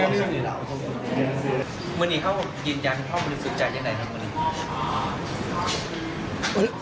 กะทิบออกมามากนี่นะครับ